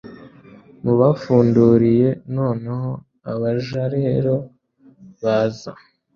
mubafundurire.' noneho abaja rero baza